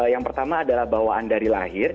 yang pertama adalah bawaan dari lahir